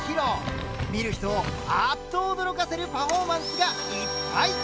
見る人をあっと驚かせるパフォーマンスがいっぱい！